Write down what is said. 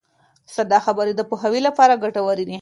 ساده خبرې د پوهاوي لپاره ګټورې دي.